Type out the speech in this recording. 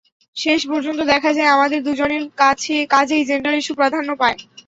শেষ পর্যন্ত দেখা যায় আমাদের দুজনের কাজেই জেন্ডার ইস্যু প্রাধান্য পায়।